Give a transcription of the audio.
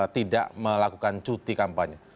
tidak melakukan cuti kampanye